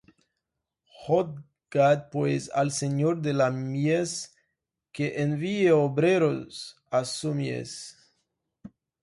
Rogad, pues, al Señor de la mies, que envíe obreros á su mies.